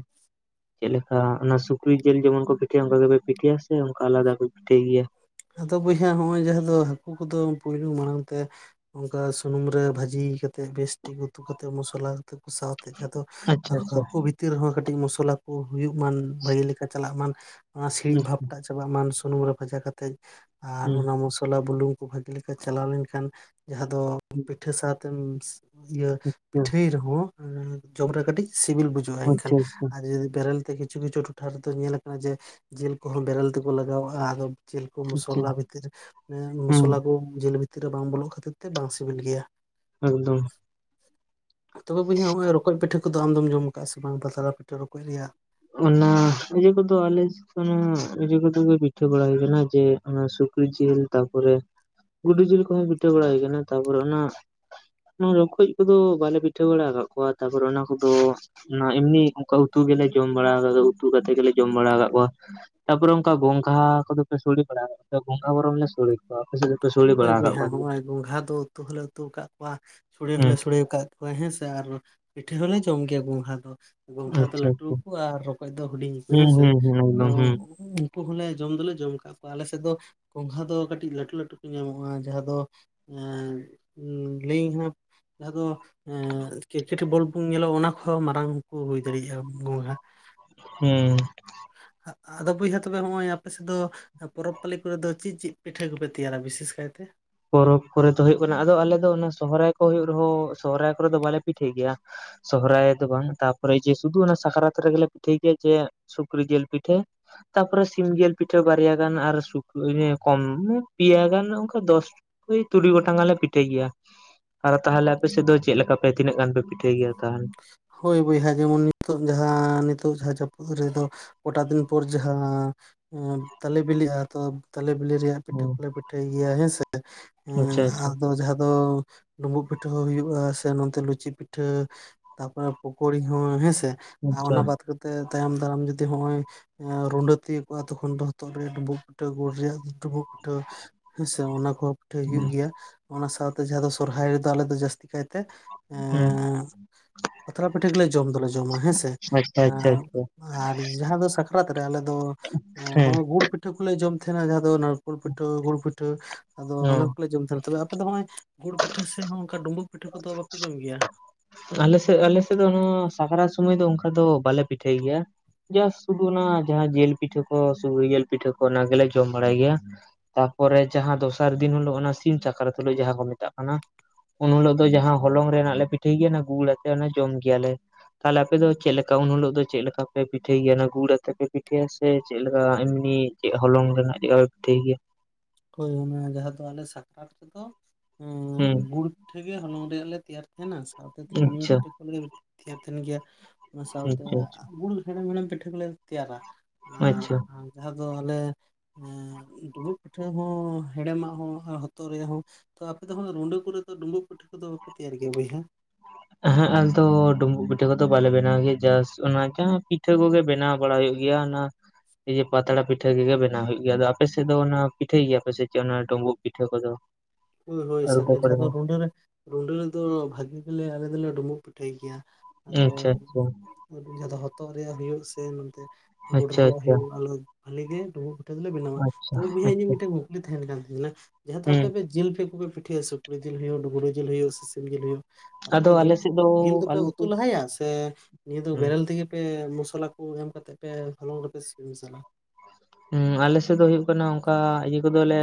ᱪᱮᱫ ᱞᱮᱠᱟ ᱚᱱᱟ ᱥᱩᱠᱨᱤ ᱡᱤᱞ ᱡᱮᱢᱚᱱ ᱠᱚ ᱯᱤᱴᱷᱟᱹᱭᱟ ᱚᱱᱠᱟ ᱜᱮᱯᱮ ᱯᱤᱴᱷᱟᱹᱭᱟ ᱥᱮ ᱚᱱᱠᱟ ᱟᱞᱟᱫᱟ ᱯᱮ ᱯᱤᱴᱷᱟᱹᱭ ᱜᱮᱭᱟ? ᱟᱫᱚ ᱵᱚᱭᱦᱟ ᱱᱚᱜᱼᱚᱭ ᱡᱟᱦᱟᱸ ᱫᱚ ᱦᱟᱹᱠᱩ ᱠᱚᱫᱚ ᱯᱳᱞ ᱢᱟᱲᱟᱝ ᱛᱮ ᱚᱱᱠᱟ ᱥᱩᱱᱩᱢ ᱨᱮ ᱵᱷᱟᱹᱡᱤ ᱠᱟᱛᱮᱫ ᱵᱮᱥᱴᱷᱤᱠ ᱩᱛᱩ ᱠᱟ ᱠᱟᱛᱮᱫ ᱢᱚᱥᱞᱟ ᱠᱟᱛᱮᱠᱩ ᱥᱟᱵ, ᱡ ᱟᱫᱚ ᱟᱪᱪᱷᱟ ᱟᱪᱪᱷᱟ ᱦᱟᱸᱠᱚ ᱵᱤᱛ ᱵᱷᱤᱛᱤ ᱨᱮᱦᱚᱸ ᱠᱟᱹᱴᱤᱡ ᱢᱚᱥᱞᱟ ᱠᱚ ᱦᱩᱭᱩᱜ ᱢᱟᱱ ᱵᱷᱟᱜᱤ ᱞᱮᱠᱟ ᱪᱟᱞᱟᱜ ᱢᱟ ᱚᱱᱟ ᱥᱤᱲᱤᱡ ᱟᱪᱪᱷᱟ ᱵᱷᱟᱵ ᱴᱟᱜ ᱪᱟᱵᱟᱜᱢ *unintelligible* ᱥᱩᱱᱩᱢ ᱨᱮ ᱵᱷᱟᱡᱟ ᱠᱟᱛᱮᱫ ᱟᱨ ᱚᱱᱟ ᱢᱚᱥᱞᱟ ᱵᱩᱞᱩᱝ ᱠᱚ ᱵᱷᱟᱜᱤ ᱞᱮᱠᱟ ᱪᱟᱞᱟᱣ ᱞᱮᱱᱠᱷᱟᱱ, ᱡᱟᱦᱟᱸ ᱫᱚ ᱯᱤᱴᱷᱟᱹ ᱥᱟᱶᱛᱮᱢ ᱤᱭᱟᱹ ᱯᱤᱴᱷᱟᱹᱭ ᱨᱮᱦᱚᱸ, ᱡᱚᱢ ᱨᱮ ᱠᱟᱹᱴᱤᱡ ᱥᱤᱵᱤᱞ ᱵᱩᱡᱟᱹᱜᱼᱟ ᱮᱱᱠᱷᱟᱱ ᱟᱪᱪᱷᱟ ᱟᱪᱪᱷᱟ ᱟᱨ ᱡᱩᱫᱤ ᱵᱮᱨᱮᱞ ᱛᱮ ᱠᱤᱪᱩ ᱠᱤᱪᱷᱩ ᱴᱚᱴᱷᱟ ᱨᱮᱫᱚ ᱧᱮ ᱟᱠᱟᱱᱟ ᱡᱮ ᱡᱤᱞ ᱠᱚᱦᱚᱸ ᱵᱮᱨᱮᱞ ᱛᱮᱠᱚ ᱞᱟᱜᱟᱣᱟᱜᱼᱟ ᱟᱫᱚ ᱡᱤᱞ ᱠᱚ ᱟᱪᱪᱷᱟ ᱢᱚᱥᱞᱟ ᱵᱷᱤᱛᱤᱨ ᱦᱮᱸ ᱢᱚᱥᱞᱟ ᱠᱚ ᱡᱤᱞ ᱵᱷᱤᱛᱤᱨ ᱨᱮ ᱵᱟᱝ ᱵᱚᱞᱚᱜ ᱠᱷᱟᱹᱛᱤᱨ ᱛᱮ ᱵᱟᱝ ᱥᱤᱵᱤᱞ ᱜᱮᱭᱟ᱾ ᱮᱠᱫᱚᱢ, ᱛᱚᱵᱮ ᱵᱚᱭᱦᱚᱸ ᱱᱚᱜ ᱨᱚᱠᱚᱡ ᱯᱤᱴᱟᱹ ᱠᱚᱫᱚ ᱟᱢ ᱫᱚᱢ ᱠᱟᱜᱼᱟ ᱥᱮ ᱵᱟᱝ ᱯᱟᱛᱲᱟ ᱯᱤᱴᱷᱟᱹ ᱨᱚᱠᱚᱡ ᱨᱮᱭᱟᱜ ᱚᱱᱟ ᱤᱭᱟᱹ ᱠᱚᱫᱚ ᱟᱞᱮ ᱮ ᱠᱚ ᱯᱤᱴᱷᱟᱹ ᱵᱟᱲᱟ ᱦᱩᱭ ᱠᱟᱱᱟ ᱡᱮ ᱚᱱᱟ ᱥᱩᱠᱨᱤ ᱡᱤᱞ ᱛᱟᱨᱯᱚᱨᱮ ᱜᱩᱰᱩ ᱡᱩᱞ ᱠᱚ ᱦᱚᱸ ᱯᱤᱴᱷᱟᱹ ᱵᱟᱲᱟ ᱦᱩᱭ ᱟᱠᱱᱟ᱾ ᱠᱟᱱᱟ ᱛᱯᱚᱨ ᱚᱱᱟ ᱨᱚᱠᱚᱡ ᱠᱚᱫᱚ ᱵᱟᱞᱮ ᱯᱤᱴᱷᱟᱹ ᱵᱟᱲᱟ ᱟᱠᱟᱫ ᱠᱚᱣᱟ ᱛᱟᱯᱚᱨᱮ ᱚᱱᱟ ᱠᱚᱫᱚ ᱚᱱᱟ ᱮᱢᱱᱤ ᱚᱱᱠᱟ ᱩᱛᱩ ᱜᱮᱞᱮ ᱡᱚᱢ ᱵᱟᱲᱟ ᱟᱠᱟᱫᱟ ᱩᱛᱩ ᱠᱟᱛᱮᱫ ᱜᱮᱞᱮ ᱡᱚᱢ ᱵᱟᱲᱟ ᱟᱠᱟᱫ ᱠᱚᱣᱟ᱾ ᱛᱟᱯᱚᱨᱮ ᱚᱱᱠᱟ ᱜᱚᱝᱷᱟ ᱠᱚᱫᱚᱯᱮ ᱥᱚᱲᱮ ᱵᱟᱲᱟᱜ ᱜᱚᱝᱜᱷᱟ ᱵᱚᱨᱚᱢ ᱞᱮ ᱥᱚᱲᱮ᱾ ᱵᱟᱯᱮ ᱥᱮᱱ ᱫᱚ ᱥᱩᱲᱮ ᱦᱳᱭ ᱵᱚᱭᱦᱟ ᱱᱚᱜᱼᱚᱭ ᱜᱷᱚᱜᱷᱟ ᱫᱚᱞᱮ ᱩᱛᱩ ᱦᱚ ᱩᱛᱩ ᱠᱫ ᱠᱚᱣᱟ ᱥᱚᱲᱮ ᱦᱚᱸᱞᱮ ᱥᱚᱲᱮ ᱟᱠᱟᱫ ᱠᱚᱣᱟ ᱦᱮᱸ ᱥᱮ ᱟᱨ ᱯᱤᱴᱷᱟᱹ ᱦᱚᱸᱞᱮ ᱡᱚᱢ ᱜᱮᱭᱟ ᱜᱚᱸᱜᱷᱟ ᱫᱚ᱾ ᱜᱚᱝᱜᱷᱟ ᱦᱩᱸ ᱫᱚ ᱟᱪᱪᱷᱟ ᱟᱪᱪᱷᱟ ᱞᱟᱹᱴᱩᱣᱟᱚ ᱟᱨ ᱨᱚᱠᱚᱡ ᱫᱚ ᱦᱩᱰᱤᱧᱚ ᱦᱩᱸ ᱦᱮᱸᱥᱮ ᱦᱩᱸ ᱦᱩᱸ ᱟᱫᱚ, ᱮᱠᱫᱚᱢ ᱦᱩᱸ ᱩᱱᱠᱩ ᱦᱚᱸᱞᱮ ᱡᱚᱢ ᱫᱚᱞᱮ ᱡᱚᱢ ᱟᱠᱟᱫ ᱠᱚᱣᱟ ᱟᱞᱮ ᱥᱮᱫ ᱫᱚ ᱜᱚᱸᱜᱷᱟ ᱫᱚ ᱠᱟᱹᱴᱤᱡ ᱞᱟᱹᱩ ᱞᱟᱹᱴᱩ ᱧᱟᱢᱚᱜᱼᱟ ᱡᱟᱦᱟᱸ ᱫᱚ ᱞᱟᱹᱧ ᱦᱚᱸ ᱡᱟᱦᱟᱸ ᱫᱚ ᱠᱨᱤᱠᱮᱴ ᱵᱚᱞ ᱵᱚᱱ ᱧᱮᱞᱚᱜ ᱚᱱᱟ ᱠᱚᱦᱚᱸ ᱢᱟᱨᱟᱝ ᱠᱚ ᱦᱩᱭ ᱫᱟᱲᱮᱭᱟᱜᱼᱟ ᱵᱚᱸ ᱦᱮᱸ ᱟᱫᱚ ᱵᱚᱭᱦᱟ ᱛᱚᱵᱮ ᱦᱚᱸᱜᱼᱚᱭ ᱟᱯᱮ ᱥᱮᱫ ᱫᱚ, ᱯᱚᱨᱚᱵᱽ ᱯᱟᱹᱞᱤ ᱠᱚᱨᱮ ᱫᱚ ᱪᱮᱫ ᱪᱮᱫ ᱯᱤᱴᱷᱟᱹ ᱠᱚᱯᱮ ᱛᱮᱭᱟᱨᱟ ᱵᱤᱥᱮᱥ ᱠᱟᱭᱛᱮ, ᱯᱚᱨᱚᱵᱽ ᱠᱚᱨᱮ ᱫᱚ ᱦᱩᱭᱩᱜ ᱠᱟᱱᱟ ᱟᱫᱚ ᱟᱞᱮ ᱫᱚ ᱚᱱᱟ ᱥᱚᱦᱨᱟᱭ ᱠᱚ ᱦᱩᱭᱩᱜ ᱨᱮᱦᱚᱸ ᱥᱚᱦᱨᱟᱭ ᱠᱚᱨᱮ ᱫᱚ ᱵᱟᱞᱮ ᱯᱤᱴᱷᱟᱹ ᱜᱮᱭᱟ᱾ ᱥᱚᱦᱨᱟᱭ ᱫᱚ ᱵᱟᱝ ᱛᱟᱯᱚᱨᱮ ᱡᱮ ᱥᱩᱫᱩ ᱚᱱᱟ ᱥᱟᱠᱨᱟᱛ ᱨᱮᱜᱮᱞᱮ ᱯᱤᱴᱷᱟᱹᱭ ᱜᱮᱭᱟ ᱡᱮ ᱥᱩᱠᱨᱤ ᱡᱤᱞ ᱯᱤᱴᱷᱟᱹ ᱛᱟᱯᱚᱨᱮ ᱥᱤᱢ ᱡᱮᱞ ᱯᱤᱴᱷᱟᱹ ᱵᱟᱨᱭᱟ ᱜᱟᱱ ᱟᱨ ᱥᱩᱠ ᱠᱚᱢ ᱯᱮᱭᱟ ᱜᱟᱱ ᱚᱱᱠᱟ ᱫᱚᱥ, ᱳᱭ ᱛᱩᱨᱩᱭ ᱜᱚᱴᱟᱝ ᱟ ᱞᱮ ᱯᱤᱴᱷᱟᱹᱭ ᱜᱮᱭᱟ ᱟᱨ ᱛᱟᱦᱚᱞᱮ ᱟᱯᱮ ᱥᱮᱫ ᱫᱚ ᱪᱮᱫ ᱞᱮᱠᱟ ᱯᱮ ᱛᱤᱱᱟᱹᱜ ᱜᱟᱱ ᱯᱮ ᱯᱤᱴᱷᱟᱹᱭ ᱜᱮᱭᱟ ᱛᱟᱦᱚᱞᱮ, ᱦᱳᱭ ᱵᱚᱭᱦᱟ ᱡᱮᱢᱚᱱ ᱱᱤᱛᱚᱜ ᱡᱟᱦᱟᱸ ᱱᱤᱛᱚᱜ ᱡᱟᱦᱟᱸ ᱡᱟᱹᱯᱩᱫ ᱨᱮᱫᱚ ᱠᱚᱴᱟ ᱫᱤᱱ ᱯᱚᱨ ᱡᱟᱦᱟᱸ ᱛᱟᱞᱮ ᱵᱤᱞᱤᱜᱼᱟ ᱛᱚ, ᱛᱟᱞᱮ ᱵᱤᱞᱤ ᱨᱮᱭᱟᱜ ᱯᱤᱴᱷᱟᱹ ᱦᱩᱸ ᱠᱚᱞᱮ ᱯᱤᱴᱷᱟᱹᱭ ᱜᱮᱭᱟ ᱦᱮᱸᱥᱮ, ᱟᱪᱪᱷᱟ ᱟᱪᱪᱷᱟ ᱟᱫᱚ ᱡᱟᱦᱟᱸ ᱫᱚ, ᱰᱩᱸᱵᱩᱜ ᱯᱤᱴᱷᱟᱹ ᱦᱚᱸ ᱦᱩᱭᱩᱜᱼᱟ ᱥᱮ ᱱᱚᱛᱮ ᱞᱩᱪᱤ ᱯᱤᱴᱷᱟᱹ ᱛᱟᱯᱚᱨᱮ ᱯᱚᱠᱳᱲᱤ ᱦᱚᱸ ᱦᱮᱸᱥᱮ, ᱟᱨ ᱟᱪᱪᱷᱟ ᱚᱱᱟ ᱵᱟᱫ ᱠᱟᱛᱮ ᱛᱟᱭᱚᱢ ᱫᱟᱨᱟᱢ ᱡᱩᱫᱤ ᱦᱚᱸᱜᱼᱚᱭ ᱨᱩᱸᱰᱟᱹ ᱛᱤᱭᱳᱜ ᱛᱚᱠᱷᱚᱱ ᱫᱚ ᱦᱚᱛᱚᱜ ᱨᱮᱭᱟᱜ ᱰᱩᱸᱵᱩᱜ ᱯᱤᱴᱷᱟᱹ ᱜᱩᱲ ᱨᱮᱭᱟᱜ ᱰᱩᱸᱵᱩᱜ ᱯᱤᱴᱷᱟᱹ ᱦᱮᱸᱥᱮ ᱚᱱᱟ ᱠᱚ, ᱯᱤᱴᱷᱟᱹ ᱦᱩᱭᱩᱜ ᱦᱮᱸ ᱜᱮᱭᱟ ᱚᱱᱟ ᱥᱟᱶᱛᱮ ᱡᱟᱦᱟᱸ ᱫᱚ ᱥᱚᱨᱦᱟᱭ ᱨᱮᱫᱚ ᱟᱞᱮ ᱫᱚ ᱡᱟᱹᱥᱛᱤ ᱠᱟᱭᱛᱮ ᱦᱩᱸ ᱮᱸᱻ ᱯᱟᱛᱲᱟ ᱯᱤᱴᱷᱟᱹ ᱜᱮᱞᱮ ᱡᱚᱢ ᱫᱚᱞᱮ ᱡᱚᱢᱟ ᱦᱮᱸᱥᱮ ᱟᱪᱪᱷᱟ ᱟᱪᱪᱷᱟ ᱟᱪᱪᱷᱟ ᱟᱨ ᱡᱟᱦᱟᱸ ᱫᱚ ᱥᱟᱠᱨᱟᱛ ᱨᱮ ᱟᱞᱮ ᱫᱚ ᱜᱩᱲ ᱦᱮᱸ ᱜᱩᱲ ᱯᱤᱴᱷᱟᱹ ᱯᱤᱴᱷᱟᱹ ᱠᱚᱞᱮ ᱡᱚᱢ ᱛᱟᱦᱮᱱᱟ ᱡᱟᱦᱟᱸ ᱫᱚ ᱱᱟᱲᱠᱳᱲ ᱯᱤᱴᱷᱟᱹ ᱜᱩᱲ ᱯᱤᱴᱷᱟᱹ ᱟᱫᱚ ᱚ ᱚᱱᱟ ᱠᱚᱞᱮ ᱡᱚᱢ ᱛᱟᱦᱮᱱᱟ ᱛᱮ ᱟᱯᱮ ᱫᱚ ᱱᱚᱜᱼᱚᱭ ᱜᱩᱲ ᱯᱤᱴᱷᱟᱹ ᱥᱮ ᱦᱚᱸ ᱚᱱᱠᱟ ᱰᱩᱸᱵᱩᱜ ᱯᱤᱴᱷᱟᱹ ᱠᱚᱫᱚ ᱵᱟᱯᱮ ᱡᱚᱢ ᱜᱮᱭᱟ ᱟᱞᱮᱥᱮᱫ ᱟᱞᱮᱥᱮᱫ ᱫᱚ ᱦᱟᱜ ᱥᱟᱠᱨᱟᱛ ᱥᱚᱢᱚᱭ ᱫᱚ ᱚᱱᱠᱟ ᱫᱚ ᱵᱟᱞᱮ ᱯᱤᱴᱷᱟᱹᱭ ᱜᱮᱭᱟ᱾ ᱡᱟ ᱥᱩᱫᱩ ᱚᱱᱟ ᱡᱟᱦᱟᱸ ᱡᱤᱞ ᱯᱤᱴᱷᱟᱹ ᱠᱚ ᱥᱩᱠᱨᱤ ᱡᱤᱞ ᱯᱤᱴᱷᱟᱹ ᱠᱚ ᱚᱱᱟ ᱜᱮᱞᱮ ᱡᱚᱢ ᱵᱟᱲᱟᱭ ᱜᱮᱭᱟ᱾ ᱛᱟᱨᱯᱚᱨᱮ ᱡᱟᱦᱟᱸ ᱫᱚᱥᱟᱨ ᱫᱤᱱ ᱦᱤᱞᱳᱜ ᱚᱱᱟ ᱥᱤᱢ ᱪᱟᱠᱨᱟᱛ ᱛᱩᱞᱩᱡ ᱡᱟᱦᱟᱸ ᱠᱚ ᱢᱮᱛᱟᱜ ᱠᱟᱱᱟ᱾ ᱩᱱ ᱦᱤᱞᱳᱜ ᱫᱚ ᱡᱟᱦᱟᱸ ᱦᱚᱞᱚᱝ ᱨᱮᱱᱟᱜ ᱞᱮ ᱯᱤᱴᱷᱟᱹᱭ ᱜᱮᱭᱟ ᱚᱱᱟ ᱜᱩᱲ ᱟᱛᱮ ᱚᱱᱟ ᱡᱚᱢ ᱜᱮᱭᱟᱞᱮ᱾ ᱛᱟᱦᱚᱞᱮ ᱟᱯᱮ ᱫᱚ ᱪᱮᱫ ᱞᱮᱠᱟ ᱩᱱ ᱦᱤᱞᱳᱜ ᱫᱚ ᱪᱮᱫ ᱞᱮᱠᱟ ᱯᱮ ᱯᱤᱴᱷᱟᱹᱭ ᱜᱮᱭᱟ ᱚᱱᱟ ᱜᱩᱲ ᱟᱛᱮ ᱯᱮ ᱯᱤᱴᱷᱟᱹᱭᱟ ᱥᱮ ᱪᱮᱫ ᱞᱮᱠᱟ ᱮᱢᱱᱤ ᱪᱮᱫ ᱦᱚᱞᱚᱝ ᱨᱮᱱᱟᱜ ᱪᱮᱫ ᱞᱮᱠᱟ ᱠᱚ ᱯᱤᱴᱷᱟᱹ ᱜᱮᱭᱟ ᱦᱳᱭ ᱚᱱᱟ ᱡᱟᱦᱟᱸ ᱫᱚ ᱟᱞᱮ ᱥᱟᱠᱨᱟᱛ ᱨᱮᱫᱚ ᱦᱩᱸ ᱜᱩᱲ ᱯᱤᱴᱷᱟᱹ ᱜᱮ ᱦᱚᱞᱚᱝ ᱨᱮᱭᱟᱜ ᱞᱮ ᱛᱮᱭᱟᱨ ᱛᱟᱸᱦᱮᱱᱟ ᱥᱟᱶᱛᱮ ᱛᱤᱞᱢᱤᱧ ᱟᱪᱪᱷᱟ ᱯᱤᱴᱷᱟᱹ ᱠᱚ ᱞᱟᱹᱜᱤᱫ ᱛᱮᱭᱟᱨ ᱛᱟᱸᱦᱮᱱ ᱜᱮᱭᱟ, ᱚᱱᱟ ᱥᱟᱶᱛᱮ ᱟᱪᱪᱷᱟ ᱟᱪᱪᱷᱟ ᱜᱩᱲ ᱦᱮᱲᱮᱢ ᱦᱮᱲᱮᱢ ᱯᱤᱴᱷᱟᱹ ᱠᱚ ᱞᱮ ᱛᱮᱭᱟᱨᱟ ᱟᱪᱪᱷᱟ ᱟᱨ ᱡᱟᱦᱟᱸ ᱫᱚ ᱟᱞᱮ ᱰᱩᱢᱵᱩᱜ ᱯᱤᱴᱷᱟᱹ ᱦᱚᱸ ᱦᱮᱲᱮᱢᱟᱜ ᱦᱚᱸ ᱟᱨ ᱦᱚᱛᱚᱜ ᱨᱮᱭᱟᱜ ᱦᱚᱸ ᱛᱚ ᱟᱯᱮ ᱫᱚ ᱨᱩᱸᱰᱟᱹ ᱠᱚᱨᱮ ᱫᱚ ᱰᱩᱸᱵᱩᱜ ᱯᱤᱴᱷᱟᱹ ᱠᱚᱫᱚ ᱵᱟᱯᱮ ᱛᱮᱭᱟᱨ ᱜᱮᱭᱟ ᱵᱚᱭᱦᱟ ᱮᱦᱮᱜ ᱟᱞᱮ ᱫᱚ ᱰᱩᱸᱵᱩᱜ ᱯᱤᱴᱷᱟᱹ ᱠᱚᱫᱚ ᱵᱟᱞᱮ ᱵᱮᱱᱟᱣ ᱜᱮᱭᱟ ᱡᱟᱥ ᱚᱱᱟ ᱡᱟᱦᱟᱸ ᱯᱤᱴᱷᱟᱹ ᱠᱚᱜᱮ ᱵᱮᱱᱟᱣ ᱵᱟᱲᱟᱭ ᱦᱩᱭᱩᱜ ᱜᱮᱭᱟ ᱚᱱᱟ ᱤᱭᱟᱹ ᱯᱟᱛᱲᱟ ᱯᱤᱴᱷᱟᱹ ᱠᱚ ᱜᱮ ᱵᱮᱱᱟᱣ ᱦᱩᱭᱩᱜ ᱜᱮᱭᱟ, ᱟᱫᱚ ᱟᱯᱮ ᱥᱮᱫ ᱫᱚ ᱚᱱᱟ ᱯᱤᱴᱷᱟᱹᱭ ᱜᱮᱭᱟ ᱠᱚ ᱥᱮ ᱪᱮᱫ ᱚᱱᱟ ᱰᱩᱸᱵᱩᱜ ᱯᱤᱴᱷᱟᱹ ᱠᱚᱫᱚ? ᱦᱳᱭ ᱦᱳᱭ ᱟᱹᱨᱩᱵ ᱠᱚᱨᱮ ᱦᱚᱸ *unintelligible* ᱨᱩᱰᱟᱹ ᱨᱮᱫᱚ ᱵᱷᱟᱜᱤ ᱜᱮᱞᱮ ᱟᱞᱮ ᱫᱚᱞᱮ ᱰᱩᱢᱵᱩᱜ ᱯᱤᱴᱷᱟᱹᱭ ᱜᱮᱭᱟ᱾ ᱟᱫᱚ ᱟᱪᱪᱷᱟ ᱟᱪᱪᱷᱟ ᱡᱟᱦᱟᱸ ᱫᱚ ᱦᱚᱛᱚᱜ ᱨᱮᱭᱟᱜ ᱦᱩᱭᱩᱜ ᱥᱮ ᱱᱚᱛᱮ ᱜᱩᱲ ᱟᱪᱪᱷᱟ ᱨᱮᱭᱟᱜ ᱟᱪᱪᱷᱟ ᱦᱩᱭᱩᱜ ᱟᱞᱮ ᱵᱷᱟᱞᱤ ᱜᱮ ᱰᱩᱸᱵᱩᱜ ᱯᱤᱴᱷᱟᱹ ᱫᱚᱞᱮ ᱵᱮᱱᱟᱣᱟ ᱟᱪᱪᱷᱟ ᱛᱚ ᱵᱚᱭᱦᱟ ᱤᱧ ᱟᱪᱪᱷᱟ ᱢᱤᱫᱴᱮᱱ ᱠᱩᱠᱞᱤ ᱛᱟᱦᱮᱱ ᱠᱟᱱ ᱛᱤᱧᱟᱹ ᱡᱟᱦᱟᱸᱛ ᱫᱚ ᱦᱩᱸ ᱟᱯᱮ ᱡᱤᱞ ᱯᱮ ᱠᱚ ᱯᱤᱴᱷᱟᱹᱭᱟ ᱥᱩᱠᱨᱤ ᱡᱤᱞ ᱦᱩᱭᱩᱜ ᱜᱩᱰᱩ ᱡᱤᱞ ᱦᱩᱭᱩᱜ ᱥᱮ ᱥᱤᱢ ᱡᱤᱞ ᱦᱩᱭᱩᱜ ᱟᱯᱮ ᱟᱫᱚ ᱫᱚ ᱡᱤ ᱟᱞᱮ ᱥᱮᱫ ᱫᱚ ᱡᱤᱞ ᱫᱚᱯᱮ ᱟᱞᱮ ᱩᱛᱩ ᱥᱮᱫ ᱞᱟᱦᱟᱭᱟ ᱥᱮ ᱱᱤᱭᱟᱹ ᱫᱚ ᱦᱩᱸ ᱵᱮᱨᱮᱞ ᱛᱮᱜᱮ ᱥᱮ ᱢᱚᱥᱞᱟ ᱠᱚ ᱮᱢ ᱠᱟᱛᱮ ᱯᱮ ᱦᱚᱞᱚᱝ ᱨᱮᱯᱮ ᱥᱤᱯᱤ ᱢᱮᱥᱟᱞᱟ ᱦᱩ ᱟᱞᱮᱥᱮᱫ ᱫᱚ ᱦᱩᱭᱩᱜ ᱠᱟᱱᱟ ᱚᱱᱠᱟ ᱤᱭᱟᱹ ᱠᱚᱫᱚᱞᱮ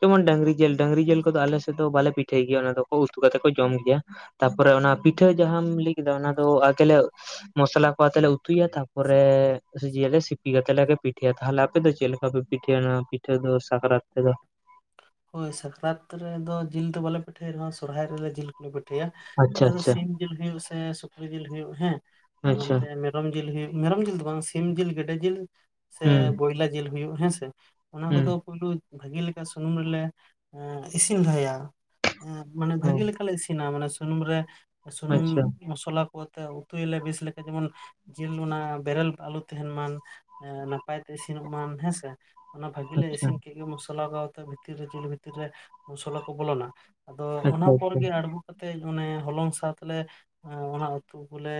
ᱡᱮᱢᱚᱱ ᱰᱟᱹᱝᱨᱤ ᱡᱤᱞ ᱰᱟᱹᱝᱨᱤ ᱡᱤᱞ ᱠᱚᱫᱚ ᱟᱞᱮ ᱥᱮᱫ ᱫᱚ ᱵᱟᱞᱮ ᱯᱤᱴᱷᱟᱹᱭ ᱜᱮᱭᱟ ᱚᱱᱟ ᱫᱚ ᱩᱛᱩ ᱠᱟᱛᱮᱫ ᱠᱚ ᱡᱚᱢ ᱜᱮᱭᱟ᱾ ᱛᱟᱯᱚᱨᱮ ᱚᱱᱟ ᱯᱤᱴᱷᱟᱹ ᱡᱟᱦᱟᱸᱟᱢ ᱞᱟᱹᱭ ᱠᱮᱫᱟ ᱚᱱᱟ ᱫᱚ ᱟᱜᱮᱞᱮ ᱢᱚᱥᱞᱟ ᱠᱚ ᱟᱛᱮ ᱞᱮ ᱩᱛᱩᱭᱟ ᱛᱟᱯᱚᱨᱮ ᱫᱤᱭᱟᱹᱞᱮ ᱥᱤᱯᱤ ᱠᱟᱛᱮ ᱞᱮ ᱯᱤᱴᱷᱟᱹᱭᱟ ᱛᱟᱦᱞᱮ ᱟᱯᱮ ᱫᱚ ᱪᱮᱫ ᱞᱮᱠᱟ ᱯᱮ ᱯᱤᱴᱷᱟᱹᱭᱟ ᱱᱚᱣᱟ ᱯᱤᱴᱷᱟᱹ ᱫᱚ ᱥᱟᱠᱨᱟᱛ ᱨᱮᱫᱚ? ᱦᱳᱭ ᱥᱟᱠᱨᱟᱛ ᱨᱮᱫᱚ ᱡᱤᱞ ᱫᱚ ᱵᱟᱞᱮ ᱯᱤᱴᱷᱟᱹᱭ ᱨᱮᱦᱚᱸ ᱥᱚᱨᱦᱟᱭ ᱨᱮᱞᱮ ᱡᱤᱞ ᱠᱚ ᱠᱚ ᱯᱤᱴᱷᱟᱹᱭᱟ ᱟᱪᱪᱷᱟ ᱡᱟᱦᱟᱸ ᱫᱚ ᱟᱪᱪᱷᱟ ᱥᱤᱢ ᱡᱤᱞ ᱦᱩᱭᱩᱜ ᱥᱮ ᱥᱩᱠᱨᱤ ᱡᱤᱞ ᱦᱩᱭᱩᱜ ᱦᱮᱸ ᱟᱨ ᱟᱪᱪᱷᱟ ᱚᱱᱛᱮ ᱢᱮᱨᱚᱢ ᱡᱤᱞ ᱦᱩᱭᱩᱜ ᱢᱮᱨᱚᱢ ᱡᱤᱞ ᱫᱚ ᱵᱟᱝ ᱥᱤᱢ ᱡᱤᱞ ᱜᱮᱰᱮ ᱡᱤᱞ ᱥᱮ ᱦᱩᱸ ᱵᱚᱭᱞᱟ ᱡᱤᱞ ᱦᱩᱭᱩᱜ ᱦᱮᱸᱥᱮ ᱚᱱᱟ ᱦᱩᱸ ᱠᱚᱫᱚ ᱯᱳᱭᱞᱳ ᱵᱷᱟᱹᱜᱤ ᱞᱮᱠᱟ ᱥᱩᱱᱩᱢ ᱨᱮᱞᱮ ᱤᱥᱤᱱ ᱞᱟᱦᱟᱭᱟ ᱢᱟᱱᱮ ᱦᱩᱸ ᱵᱷᱟᱹᱜᱤ ᱞᱮᱠᱟᱞᱮ ᱤᱥᱤᱱᱟ ᱢᱟᱱᱮ ᱥᱩᱱᱩᱢ ᱨᱮ ᱥᱩᱱᱩᱢ ᱟᱪᱪᱷᱟ ᱢᱚᱥᱞᱟ ᱠᱚ ᱛᱮ ᱩᱛᱩᱟᱭᱞᱮ ᱵᱮᱥ ᱞᱮᱠᱟ ᱡᱮᱢᱚᱱ ᱡᱤᱞ ᱚᱱᱟ ᱵᱮᱨᱮᱞ ᱟᱞᱚ ᱛᱟᱦᱮᱱ ᱢᱟ ᱱᱟᱯᱟᱭ ᱛᱮ ᱤᱥᱤᱱᱚᱜ ᱢᱟ ᱦᱮᱸᱥᱮ ᱚᱱᱟ ᱵᱷᱟᱹᱜᱤ ᱞᱮ ᱟᱪᱪᱷᱟ ᱤᱥᱤᱱ ᱠᱮᱜ ᱜᱮ ᱢᱚᱥᱞᱟ ᱟᱛᱮ ᱵᱷᱤᱛᱤᱨ ᱨᱮ ᱡᱤᱞ ᱵᱷᱤᱛᱤᱨ ᱨᱮ ᱢᱚᱥᱞᱟ ᱠᱚ ᱵᱚᱞᱚᱱᱟ ᱟᱫᱚ ᱟᱪᱪᱷᱟ ᱚᱱᱟ ᱯᱚᱨ ᱟᱪᱪᱷᱟ ᱜᱮ ᱟᱬᱜᱚ ᱠᱟᱛᱮᱜ ᱚᱱᱮ ᱦᱚᱞᱚᱝ ᱥᱟᱶᱛᱮ ᱞᱮ ᱚᱱᱟ ᱩᱛᱩ ᱠᱚᱞᱮ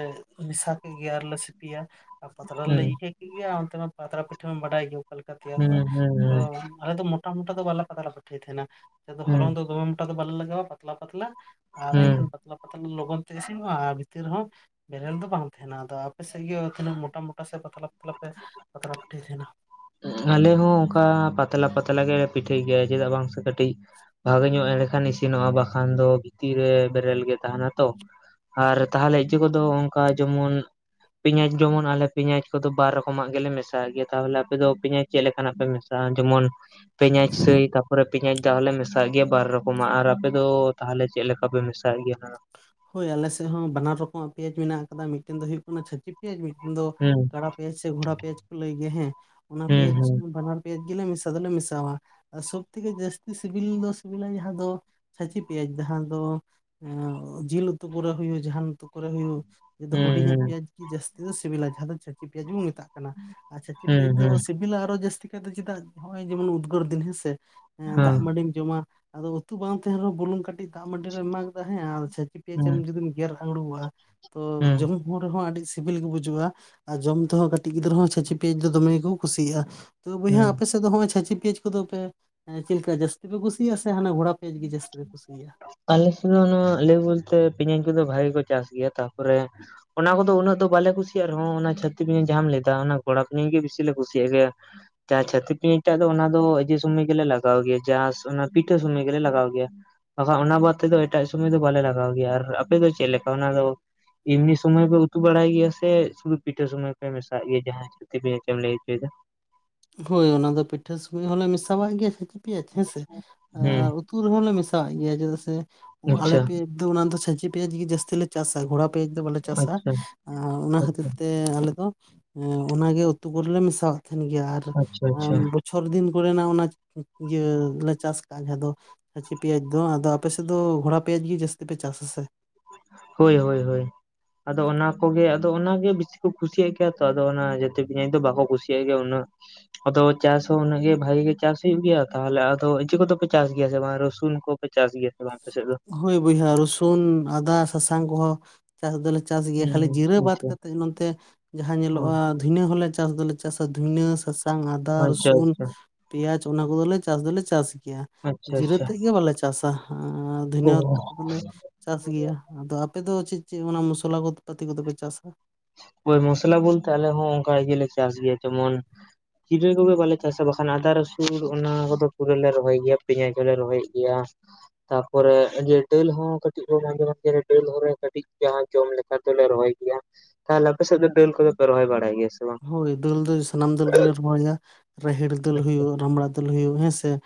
ᱢᱮᱥᱟ ᱠᱮᱫ ᱜᱮ ᱟᱨᱞᱮ ᱥᱤᱯᱤᱭᱟ ᱟᱨ ᱯᱟᱛᱲᱟ ᱨᱮᱞᱮ ᱦᱩᱸ ᱤᱭᱟᱹ ᱠᱮᱫ ᱜᱮ ᱟᱨ ᱚᱱᱛᱮ ᱢᱟ ᱯᱟᱛᱲᱟ ᱯᱤᱴᱷᱟᱹᱢᱟᱢ ᱵᱟᱰᱟᱭ ᱜᱮ᱾ ᱚᱠᱟ ᱞᱮᱠᱟ ᱛᱮᱭᱟᱨᱚᱜᱼᱟ ᱦᱩᱸ ᱦᱩᱸ ᱟᱫᱚ ᱦᱩᱸ ᱟᱞᱮ ᱫᱚ ᱢᱚᱴᱟ ᱢᱚᱴᱟ ᱫᱚ ᱵᱟᱞᱮ ᱯᱟᱛᱲᱟ ᱯᱤᱴᱷᱟᱹᱟᱭ ᱛᱟᱦᱮᱱᱟ ᱟᱞᱮ ᱫᱚ ᱦᱩᱸ ᱦᱚᱞᱚᱝ ᱫᱚ ᱫᱚᱢᱮ ᱢᱚᱴᱟ ᱫᱚ ᱵᱟᱞᱮ ᱞᱟᱜᱟᱣᱟ ᱯᱟᱛᱞᱟ ᱯᱟᱛᱞᱟ ᱟᱨ ᱦᱩᱸ ᱮᱱᱠᱷᱟᱱ ᱯᱟᱛᱞᱟ ᱯᱟᱛᱞᱟ ᱞᱚᱜᱚᱱ ᱛᱮ ᱤᱥᱤᱱᱜᱼᱟ ᱟᱨ ᱵᱷᱤᱛᱤᱨ ᱨᱮ ᱦᱚᱸ ᱵᱮᱨᱮᱞ ᱫᱚ ᱵᱟᱝ ᱛᱟᱦᱮᱱᱟ᱾ ᱟᱫᱚ ᱟᱯᱮ ᱥᱮᱫ ᱜᱮ ᱛᱤᱱᱟᱹᱜ ᱢᱚᱴᱟ ᱢᱚᱴᱟ ᱥᱮ ᱯᱟᱛᱞᱟ ᱯᱟᱛᱞᱟ ᱯᱮ ᱯᱟᱛᱲᱟ ᱯᱤᱴᱷᱟᱹ ᱛᱟᱦᱮᱱᱟ ᱟᱞᱮ ᱦᱚᱸ ᱚᱱᱠᱟ ᱯᱟᱛᱞᱟ ᱯᱟᱛᱞᱟ ᱜᱮᱞᱮ ᱯᱤᱴᱷᱟᱹᱭ ᱜᱮᱭᱟ ᱪᱮᱫᱟᱜ ᱵᱟᱝ ᱥᱮ ᱠᱟᱹᱴᱤᱡ ᱠᱟᱹᱴᱤᱡ ᱵᱷᱟᱜᱮ ᱧᱚᱜ ᱮᱱᱰᱮᱠᱷᱟᱱ ᱤᱥᱤᱱᱚᱜᱼᱟ, ᱵᱟᱠᱷᱟᱱ ᱫᱚ ᱵᱷᱤᱛᱤᱨ ᱨᱮ ᱵᱮᱨᱮᱞ ᱜᱮ ᱛᱟᱦᱮᱱᱟ ᱛᱚ᱾ ᱟᱨ ᱛᱟᱦᱚᱞᱮ ᱤᱭᱟᱹ ᱠᱚᱫᱚ ᱚᱱᱠᱟ ᱡᱮᱢᱚᱱ ᱯᱮᱸᱭᱟᱡᱽ ᱡᱮᱢᱚᱱ ᱟᱞᱮ ᱯᱮᱸᱭᱟᱡᱽ ᱠᱚᱫᱚ ᱵᱟᱨ ᱨᱚᱠᱚᱢᱟᱜ ᱜᱮᱞᱮ ᱢᱮᱥᱟᱭ ᱜᱮᱭᱟ ᱛᱟᱦᱚᱞᱮ ᱟᱯᱮ ᱫᱚ ᱯᱮᱸᱭᱟᱡᱽ ᱪᱮᱫ ᱞᱮᱠᱟᱱᱟᱜ ᱯᱮ ᱢᱮᱥᱟᱜᱼᱟ ᱡᱮᱢᱚᱱ ᱯᱮᱸᱭᱟᱡᱽ ᱥᱟᱹᱭ ᱛᱟᱯᱚᱨᱮ ᱯᱮᱸᱭᱟᱡᱽ ᱛᱟᱦᱚᱞᱮ ᱢᱮᱥᱟᱣᱟᱜ ᱜᱮᱭᱟ ᱵᱟᱨ ᱨᱚᱠᱚᱢᱟᱜ ᱟᱨ ᱟᱯᱮ ᱫᱚ ᱛᱟᱦᱚᱞᱮ ᱪᱮᱫ ᱞᱮᱠᱟ ᱯᱮ ᱢᱮᱥᱟᱜᱮ ᱜᱮᱭᱟ ᱚᱱᱟ ᱦᱳᱭ ᱟᱞᱮᱥᱮᱫ ᱦᱚᱸ ᱵᱟᱱᱟᱨ ᱨᱚᱠᱚᱢᱟᱜ ᱯᱮᱡᱽ ᱢᱮᱱᱟᱜ ᱟᱠᱟᱫᱟ ᱢᱤᱫᱴᱮᱱ ᱫᱚ ᱦᱩᱭᱩᱜ ᱠᱟᱱᱟ ᱪᱷᱟᱹᱪᱤᱠ ᱯᱮᱸᱭᱟᱡᱽ ᱢᱤᱫᱴᱟᱝ ᱫᱚ ᱦᱩᱸ ᱠᱟᱲᱟ ᱯᱮᱸᱭᱟᱡᱽ ᱥᱮ ᱜᱷᱚᱲᱟ ᱯᱮᱸᱭᱡᱽ ᱠᱚ ᱞᱟᱹᱭ ᱜᱮᱭᱟ ᱦᱮᱸ ᱚᱱᱟ ᱦᱩᱸ ᱯᱮᱸᱭᱟᱡᱽ ᱵᱟᱱᱟᱨ ᱯᱮᱸᱭᱟᱡᱽ ᱜᱮᱞᱮ ᱢᱮᱥᱟ ᱫᱚᱞᱮ ᱢᱮᱥᱟᱣᱟ ᱟᱨ ᱥᱚᱵ ᱛᱷᱮᱠᱮ ᱡᱟᱹᱥᱛᱤ ᱥᱤᱵᱤᱞ ᱫᱚ ᱥᱤᱵᱤᱞᱟ ᱡᱟᱦᱟᱸ ᱫᱚ ᱪᱷᱟᱹᱪᱤ ᱯᱮᱸᱭᱟᱡᱽ ᱡᱟᱦᱟᱸ ᱫᱚ ᱡᱤᱞ ᱩᱛᱩ ᱠᱚᱨᱮ ᱦᱳᱭᱳᱜ ᱡᱟᱦᱟᱱ ᱩᱛᱩ ᱠᱚᱨᱮ ᱦᱳᱭᱳᱜ ᱳ ᱦᱩᱰᱤᱧᱟᱜ ᱦᱩᱸ ᱯᱮᱸᱭᱟᱡᱽ ᱡᱟᱹᱥᱛᱤ ᱫᱚ ᱥᱤᱵᱤᱞᱟ ᱡᱟᱦᱟᱸ ᱫᱚ ᱪᱷᱟᱹᱪᱤ ᱯᱮᱭᱟᱡᱽ ᱵᱚᱱ ᱢᱮᱛᱟᱜ ᱠᱟᱱᱟ ᱟᱨ ᱪᱷᱟᱹᱪᱤ ᱦᱩᱸ ᱯᱮᱭᱟᱡᱽ ᱫᱚ ᱦᱩᱸ ᱥᱤᱵᱤᱞᱟ ᱟᱨᱚ ᱡᱟᱹᱥᱛᱤ ᱫᱚ ᱪᱮᱫᱟᱜ ᱱᱚᱜᱼᱚᱭ ᱡᱮᱢᱚᱱ ᱩᱫᱽᱜᱟᱹᱨ ᱫᱤᱱ ᱦᱮᱸᱥᱮ ᱦᱩᱸ ᱫᱟᱜ ᱢᱟᱹᱰᱤᱢ ᱡᱚᱢᱟ ᱟᱫᱚ ᱩᱛᱩ ᱵᱟᱝ ᱛᱟᱦᱮᱱ ᱨᱮᱦᱚᱸ ᱵᱩᱞᱩᱝ ᱫᱟᱜ ᱢᱟᱹᱰᱤ ᱨᱮ ᱮᱢᱟ ᱠᱮᱫᱟ ᱦᱮᱸ ᱟᱨ ᱪᱷᱟᱹᱪᱤ ᱦᱩᱸ ᱦᱩᱸ ᱯᱮᱸᱭᱟᱡᱽ ᱮᱢ ᱦᱩᱸ ᱡᱟ ᱜᱮᱨ ᱟᱲᱜᱩᱠᱚᱜᱼᱟ ᱛᱚ ᱦᱩᱸ ᱦᱩᱸ ᱡᱚᱢ ᱦᱚᱲᱢᱚ ᱟᱹᱰᱤ ᱥᱤᱵᱤᱞ ᱜᱮ ᱵᱩᱡᱩᱜᱼᱟ ᱟᱨ ᱡᱚᱢ ᱛᱮᱦᱚᱸ ᱠᱟᱹᱴᱤᱡ ᱜᱤᱫᱽᱨᱟᱹ ᱦᱚᱸ ᱪᱷᱟᱹᱪᱤ ᱯᱮᱸᱭᱟᱡᱽ ᱫᱚᱢᱮ ᱜᱮᱠᱚ ᱠᱩᱥᱤᱭᱟᱜ-ᱟ᱾ ᱛᱚ ᱵᱚᱭᱦᱟ ᱦᱩᱸ ᱟᱯᱮᱥᱮᱫ ᱫᱚ ᱦᱚᱸᱜ ᱚᱭ ᱪᱷᱤᱹᱪᱟ ᱯᱮᱸᱭᱟᱡᱽ ᱠᱚᱫᱚ ᱯᱮ ᱪᱮᱫᱠᱟ ᱡᱟᱹᱟᱥᱛᱤ ᱯᱮ ᱠᱩᱥᱤᱭᱟᱜ ᱥᱮ ᱦᱟᱱᱟ ᱜᱷᱚᱲᱟ ᱯᱮᱸᱭᱟᱡᱽ ᱜᱮ ᱡᱟᱹᱥᱛᱤ ᱯᱮ ᱠᱩᱥᱤᱭᱟᱜᱼᱟ᱾ ᱟᱞᱮᱥᱮᱫ ᱫᱚ ᱱᱚᱣᱟ ᱞᱟᱹᱭ ᱵᱚᱞᱛᱮ ᱯᱮᱭᱟᱡᱽ ᱠᱚᱫᱚ ᱵᱷᱟᱜᱮ ᱠᱚ ᱪᱟᱥ ᱜᱮᱭᱟ ᱛᱟᱯᱚᱨᱮ ᱚᱱᱟ ᱠᱚᱫᱚ ᱩᱱᱟᱹᱜ ᱫᱚ ᱵᱟᱞᱮ ᱠᱩᱥᱤᱭᱟᱜᱼᱟ ᱨᱮᱦᱚᱸ ᱚᱱᱟ ᱪᱷᱟᱹᱪᱤ ᱯᱮᱸᱭᱟᱡᱽ ᱡᱟᱦᱟᱢ ᱞᱟᱹᱭ ᱫᱟ ᱚᱱᱟ ᱜᱚᱲᱟ ᱯᱮᱸᱭᱟᱡᱽ ᱜᱮ ᱵᱤᱥᱤ ᱞᱮ ᱠᱩᱥᱤᱭᱟᱜ ᱜᱮᱭᱟ᱾ ᱡᱟ ᱪᱷᱟᱪᱤ ᱯᱤᱭᱟᱡᱽ ᱴᱟᱜ ᱫᱚ ᱚᱱᱟ ᱫᱚ ᱮ ᱥᱳᱢᱚᱭ ᱜᱮᱞᱮ ᱞᱟᱜᱟᱣ ᱜᱮᱭᱟ ᱡᱟ ᱚᱱᱟ ᱯᱤᱴᱷᱟᱹ ᱥᱩᱢᱚᱭ ᱜᱮᱞᱮ ᱞᱟᱜᱟᱣ ᱜᱮᱭᱟ᱾ ᱵᱟᱠᱷᱟᱱ ᱚᱱᱟ ᱵᱟᱫᱽ ᱛᱮᱫᱚ ᱮᱴᱟᱜ ᱥᱚᱢᱚᱭ ᱫᱚ ᱵᱟᱞᱮ ᱞᱟᱜᱟᱣ ᱜᱮᱭᱟ ᱟᱨ ᱟᱯᱮ ᱫᱚ ᱪᱮᱫ ᱞᱮᱠᱟ ᱚᱱᱟ ᱫᱚ ᱮᱢᱱᱤ ᱥᱚᱢᱚᱭ ᱯᱮ ᱩᱛᱩ ᱵᱟᱲᱟᱭ ᱜᱮᱭᱟ ᱥᱮ ᱥᱩᱫᱩ ᱯᱤᱴᱷᱟᱹ ᱥᱩᱢᱚᱭ ᱯᱮ ᱢᱮᱥᱟᱜ ᱜᱮᱭᱟ ᱡᱟᱦᱟᱸᱟᱭ ᱪᱷᱟᱪᱤ ᱯᱤᱭᱟᱡᱽ ᱮᱢ ᱞᱟᱹᱭ ᱦᱚᱪᱚᱭ ᱫᱟ ᱦᱳᱭ ᱚᱱᱟ ᱫᱚ ᱯᱤᱴᱷᱟᱹ ᱥᱚᱢᱚᱭ ᱦᱚᱸᱞᱮ ᱢᱮᱥᱟᱣᱟᱜ ᱜᱮᱭᱟ ᱪᱷᱟᱹᱪᱤ ᱯᱮᱸᱭᱟᱡᱽ ᱦᱮᱸᱥᱮ ᱦᱩᱸ ᱟᱨ ᱩᱛᱩ ᱨᱮᱦᱚᱞᱮ ᱢᱮᱥᱟᱣᱟᱜ ᱜᱮᱭᱟ ᱪᱮᱫᱟᱜ ᱥᱮ ᱟᱞᱮ ᱟᱪᱪᱷᱟ ᱯᱮ ᱫᱚ ᱚᱱᱟ ᱫᱚ ᱪᱷᱟᱹᱪᱤ ᱯᱮᱸᱭᱟᱡᱽ ᱜᱮ ᱡᱟᱹᱛᱤ ᱞᱮ ᱪᱟᱥ-ᱟ ᱜᱚᱲᱟ ᱯᱮᱸᱭᱟᱡᱽ ᱫᱚ ᱵᱟᱞᱮ ᱪᱟᱥᱟ ᱟᱪᱪᱷᱟ ᱚᱱᱟ ᱠᱷᱟᱹᱛᱤᱨ ᱟᱪᱪᱷᱟ ᱛᱮ ᱛᱮ ᱟᱞᱮ ᱫᱚ ᱮ ᱚᱱᱟᱜᱮ ᱩᱛᱩ ᱠᱚᱨᱮᱞᱮ ᱢᱮᱥᱟᱣᱟᱜ ᱛᱟᱦᱮᱱ ᱜᱮᱭᱟ ᱟᱨ ᱟᱪᱪᱷᱟ ᱟᱪᱪᱷᱟ ᱵᱚ ᱪᱷᱚᱨ ᱫᱤᱱ ᱠᱚᱨᱮᱱᱟᱜ ᱚᱱᱟ ᱤᱭᱟᱹ ᱞᱮ ᱪᱟᱥ ᱠᱟᱜᱼᱟ ᱡᱟᱦᱟᱸ ᱫᱚ ᱠᱷᱟᱹᱪᱤ ᱯᱮᱸᱭᱟᱡᱽ ᱫᱚ ᱟᱫᱚ ᱟᱯᱮ ᱥᱮᱫ ᱫᱚ ᱜᱷᱚᱲᱟ ᱯᱮᱭᱟᱡᱽ ᱜᱮ ᱡᱟᱹᱥᱛᱤ ᱯᱮ ᱪᱟᱥ ᱟ ᱥᱮ ᱦᱳᱭ ᱦᱳᱭ ᱦᱳᱭ ᱟᱫᱚ ᱚᱱᱟ ᱠᱚᱜᱮ ᱟᱫᱚ ᱚᱱᱟᱜᱮ ᱵᱤᱥᱤ ᱠᱚ ᱠᱩᱥᱤᱭᱟᱜ ᱜᱮᱭᱟ ᱛᱚ ᱟ ᱚᱱᱟ ᱡᱚᱛᱚ ᱪᱷᱟᱪᱤ ᱯᱤᱡᱟᱽ ᱫᱚ ᱵᱟᱠᱚ ᱠᱩᱥᱤᱭᱟᱜ ᱜᱮᱭᱟ ᱩᱱᱟᱹᱜ᱾ ᱟᱫᱚ ᱪᱟᱥ ᱦᱚᱸ ᱩᱱᱟᱹᱜ ᱜᱮ ᱵᱷᱟᱜᱤ ᱜᱮ ᱪᱟᱥ ᱦᱩᱭᱩᱜ ᱜᱮᱭᱟ᱾ ᱛᱟᱦᱚᱞᱮ ᱟᱫᱚ ᱮᱪᱮᱫ ᱠᱚᱫᱚᱯᱮ ᱪᱟᱥ ᱜᱮᱭᱟ ᱥᱮ ᱵᱟᱝ ᱨᱚᱥᱩᱱ ᱠᱚ ᱪᱟᱥ ᱜᱮᱭᱟ ᱵᱟᱝ ᱟᱯᱮ ᱥᱮᱫ ᱫᱚ? ᱦᱩᱭ ᱵᱚᱭᱦᱟ ᱨᱥᱩᱱ ᱟᱫᱟ ᱥᱟᱥᱟᱝ ᱠᱚᱦᱚ ᱪᱟᱥ ᱫᱚᱞᱮ ᱪᱟᱥ ᱜᱮᱭᱟ ᱠᱷᱟᱹᱞᱤ ᱡᱤᱨᱟᱹ ᱦᱩᱸ ᱵᱟᱫ ᱟᱪᱪᱷᱟ ᱠᱟᱛᱮᱫ ᱱᱚᱛᱮ ᱡᱟᱦᱟᱸ ᱚ ᱧᱮᱞᱚᱜᱼᱟ ᱫᱤᱱᱟᱹ ᱦᱚᱸᱞᱮ ᱪᱟᱥ ᱫᱚᱞᱮ ᱪᱟᱥᱟ ᱫᱷᱩᱱᱟᱹ ᱥᱟᱥᱟᱝ ᱟᱫᱟ ᱟᱪᱪᱷᱟ ᱨᱚᱥᱩᱱ ᱟᱪᱪᱷᱟ ᱯᱮᱸᱭᱟᱡᱽ ᱚᱱᱟ ᱠᱚ ᱫᱚᱞᱮ ᱪᱟᱥ ᱜᱮᱭᱟ ᱟᱪᱪᱷᱟ ᱡᱤᱨᱟᱹ ᱟᱪᱪᱷᱟ ᱛᱮᱫ ᱜᱮ ᱵᱟᱞᱮ ᱪᱟᱥ ᱟ ᱚ ᱫᱷᱚᱱᱤᱭᱟᱹ ᱯᱟᱛᱤ ᱫᱚᱞᱮ ᱪᱟᱥ ᱜᱮᱭᱟ᱾ ᱟᱫᱚ ᱟᱯᱮᱫᱚ ᱪᱮᱫ ᱪᱮᱫ ᱚᱱᱟ ᱢᱚᱥᱞᱟ ᱠᱚ ᱯᱟᱛᱤ ᱠᱚᱫᱚᱯᱮ ᱪᱟᱥᱟ? ᱦᱳᱭ ᱢᱚᱥᱞᱟ ᱵᱚᱞᱛᱮ ᱟᱞᱮ ᱦᱚᱸ ᱚᱱᱠᱟ ᱜᱮᱞᱮ ᱪᱟᱥ ᱜᱮᱭᱟ ᱡᱮᱢᱚᱱ ᱡᱤᱨᱟᱹ ᱠᱚᱜᱮ ᱵᱟᱞᱮ ᱪᱟᱥᱟ ᱵᱟᱠᱷᱟᱱ ᱟᱫᱟ ᱨᱟᱹᱥᱩᱱ ᱚᱱᱟ ᱠᱚᱫᱚ ᱯᱩᱨᱟᱹ ᱞᱮ ᱨᱚᱦᱚᱭ ᱜᱮᱭᱟ ᱯᱮᱸᱭᱟᱡᱽ ᱦᱚᱞᱮ ᱨᱚᱦᱚᱭ ᱜᱮᱭᱟ ᱛᱟᱯᱚᱨᱮ ᱰᱟᱹᱞ ᱦᱚᱸ ᱠᱟᱹᱴᱤᱡ ᱠᱚ ᱫᱟᱹᱞ ᱦᱚᱨᱮ ᱠᱟᱹᱴᱤᱡ ᱡᱟᱦᱟᱸ ᱡᱚᱢ ᱞᱮᱠᱟ ᱱᱮᱛᱟᱨ ᱫᱚᱞᱮ ᱨᱚᱦᱚᱭ ᱜᱮᱭᱟ ᱾ ᱛᱟᱦᱚᱞᱮ ᱟᱯᱮ ᱥᱮᱫ ᱫᱚ ᱫᱟᱹᱞ ᱠᱚᱫᱚᱯᱮ ᱨᱚᱦᱚᱭ ᱵᱟᱲᱟᱭ ᱜᱮᱭᱟ ᱥᱮ ᱵᱟᱝ? ᱦᱳᱭ ᱫᱟᱹᱞ ᱫᱚ ᱥᱟᱱᱟᱢ ᱫᱟᱹᱞ ᱜᱮᱞᱮ ᱨᱚᱦᱚᱭᱟ ᱨᱟᱦᱮᱲ ᱫᱟᱹᱞ ᱟᱪᱪᱷᱟ ᱦᱩᱭᱩᱜ ᱨᱟᱢᱲᱟ ᱫᱟᱹᱞ ᱦᱩᱭᱩᱜ ᱦᱮᱸᱥᱮ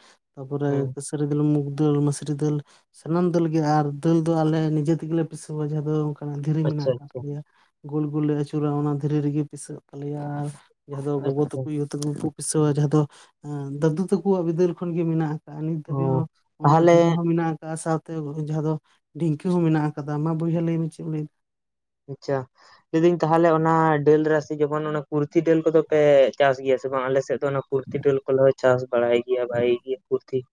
ᱦᱮᱸ ᱛᱟᱯᱚᱨᱮ ᱠᱮᱥᱨᱤ ᱫᱟᱹᱞ, ᱢᱩᱜᱽ ᱫᱟᱹᱞ, ᱢᱟᱥᱨᱤ ᱫᱟᱹᱞ ᱥᱟᱱᱟᱢ ᱫᱟᱹᱞ ᱜᱮ ᱟᱨ ᱫᱟᱹᱞ ᱫᱚ ᱟᱞᱮ ᱱᱤᱡᱮ ᱛᱮᱜᱮ ᱯᱤᱥᱟᱹᱣᱟ ᱡᱟᱦᱟᱸ ᱫᱚ ᱫᱷᱤᱨᱤ ᱢᱮᱱᱟᱜ ᱟᱪᱪᱷᱟ ᱟᱠᱟᱫ ᱟᱪᱪᱷᱟ ᱛᱟᱞᱮᱭᱟ ᱜᱳᱞ ᱜᱳᱞ ᱞᱮ ᱟᱹᱪᱩᱨᱟ ᱚᱱᱟ ᱫᱷᱤᱨᱤ ᱨᱮᱜᱮ ᱯᱤᱥᱟᱹᱜ ᱛᱟᱞᱮᱭᱟ ᱟᱨ ᱡᱟᱦᱟᱸ ᱫᱚ ᱜᱚᱜᱚ ᱟᱪᱪᱷᱟ ᱛᱟᱠᱚ ᱤᱭᱟᱹ ᱛᱟᱠᱚ ᱠᱚ ᱯᱤᱥᱟᱹᱣᱟ ᱡᱟᱦᱟᱸ ᱫᱚ ᱫᱟᱹᱫᱩ ᱛᱟᱠᱚᱣᱟᱜ ᱵᱤᱫᱟᱹᱞ ᱠᱷᱚᱱ ᱜᱮ ᱢᱮᱱᱟᱜᱼᱟ ᱱᱤᱛ ᱚ ᱫᱷᱟᱹᱵᱤᱡ ᱦᱚᱸ ᱚᱱᱟ ᱛᱟᱦᱚᱞᱮ ᱫᱷᱤᱨᱤ ᱦᱚᱸ ᱢᱮᱱᱟᱜᱟ ᱥᱟᱶᱛᱮ ᱡᱟᱦᱟᱸ ᱫᱚ ᱰᱷᱤᱝᱠᱤ ᱦᱚᱸ ᱢᱮᱱᱟᱜ ᱟᱠᱟᱫᱟ ᱢᱟ ᱵᱚᱭᱦᱟ ᱞᱟᱹᱭ ᱢᱮ ᱪᱮᱫ ᱮᱢ ᱞᱟᱹᱭ ᱟᱪᱪᱷᱟ ᱞᱟᱹᱭ ᱫᱟᱹᱧ ᱛᱟᱦᱚᱞᱮ ᱚᱱᱟ ᱫᱟᱹᱞ ᱨᱟᱥᱮ ᱡᱮᱢᱚᱱ ᱚᱱᱟ ᱠᱩᱨᱛᱷᱤ ᱰᱟᱹᱞ ᱠᱚᱫᱚ ᱯᱮ ᱪᱟᱥ ᱜᱮᱭᱟ ᱥᱮ ᱵᱟᱝ ᱟᱞᱮᱥᱮᱫ ᱚᱱᱟ ᱠᱩᱨᱛᱤ ᱰᱟᱹᱞ ᱠᱚᱞ ᱪᱟᱥ ᱵᱟᱲᱟᱭ ᱜᱮᱭᱟ ᱵᱷᱟᱭ ᱜᱮᱭᱟ ᱠᱩᱨᱛᱤ